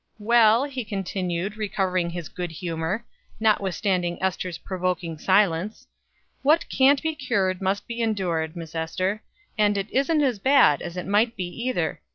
"Well," he continued, recovering his good humor, notwithstanding Ester's provoking silence, "what can't be cured must be endured, Miss Ester; and it isn't as bad as it might be, either.